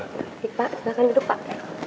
pak silakan duduk pak